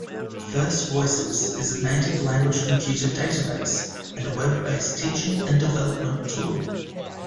FirstVoices is a native language computer database and web-based teaching and development tool.